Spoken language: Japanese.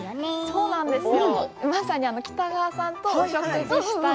そうなんですよ。